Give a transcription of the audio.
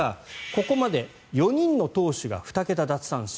ここまで４人の投手が２桁奪三振。